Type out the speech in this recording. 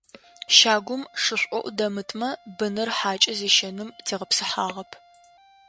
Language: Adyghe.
Щагум шышӏоӏу дэмытмэ, быныр хьакӏэ зещэным тегъэпсыхьагъэп.